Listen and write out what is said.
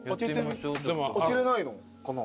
開けれないのかな？